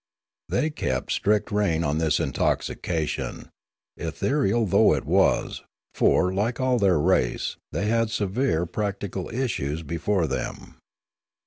They kept strict rein on this intoxication, ethereal though it was; for, like all their race, they had severe practical issues before them.